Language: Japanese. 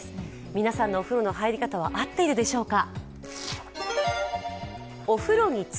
皆さんのお風呂の入り方は合っているでしょうか。